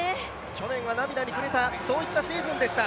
去年は涙に暮れたそういったシーズンでした。